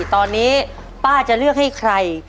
ตอนนี้ป้าจะเลือกให้ใคร